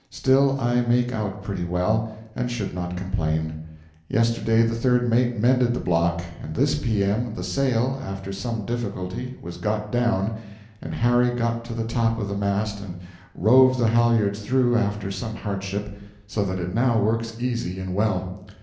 Still, I make out pretty well, and should not complain. Yesterday the third mate mended the block, and this P.M. the sail, after some difficulty, was got down, and Harry got to the top of the mast and rove the halyards through after some hardship, so that it now works easy and well.